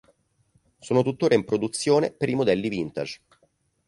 Sono tuttora in produzione per i modelli "Vintage".